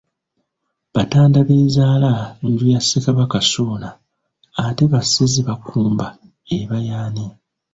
Batandabeezaala nju ya Ssekabaka Ssuuna, ate Basezibakumba eba y'ani?